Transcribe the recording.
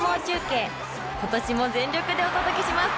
今年も全力でお届けします！